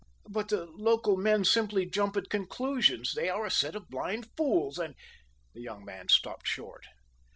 "But the local men simply jump at conclusions. They are a set of blind fools, and " The young man stopped short.